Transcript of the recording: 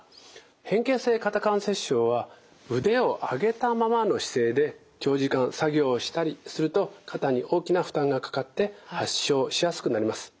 変形性肩関節症は腕を上げたままの姿勢で長時間作業をしたりすると肩に大きな負担がかかって発症しやすくなります。